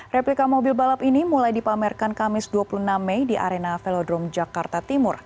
replika mobil balap ini mulai dipamerkan kamis dua puluh enam mei di arena velodrome jakarta timur